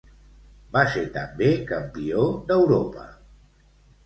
Va ser també campió d'Europa.